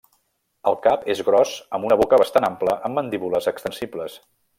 El cap és gros amb una boca bastant ampla amb mandíbules extensibles.